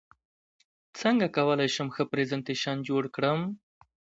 څنګه کولی شم ښه پرزنټیشن جوړ کړم